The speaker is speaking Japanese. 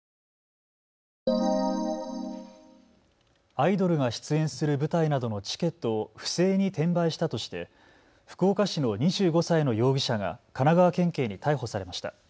アイドルが出演する舞台などのチケットを不正に転売したとして福岡市の２５歳の容疑者が神奈川県警に逮捕されました。